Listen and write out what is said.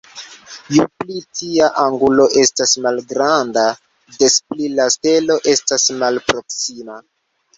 Ju pli tia angulo estas malgranda, des pli la stelo estas malproksima.